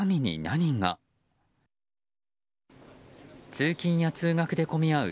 通勤や通学で混み合う